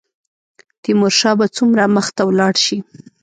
تیمورشاه به څومره مخته ولاړ شي.